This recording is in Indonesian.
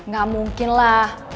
gak mungkin lah